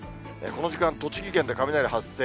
この時間、栃木県で雷発生。